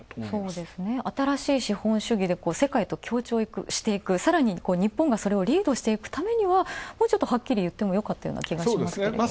新しい資本主義で世界と協調していくさらに日本がそれをリードしていくためにもうちょっとはっきり言っても気がしますけどね。